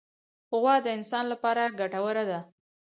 غوا د انسان له پاره ګټوره ده.